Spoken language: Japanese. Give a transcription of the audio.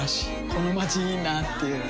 このまちいいなぁっていう